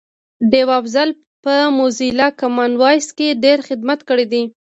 ډیوه افضل په موزیلا کامن وایس کی ډېر خدمت کړی دی